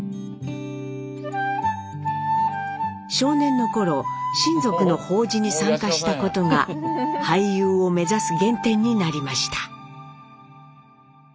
少年の頃親族の法事に参加したことが俳優を目指す原点になりました。